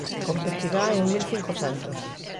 Competirá en mil cincocentos.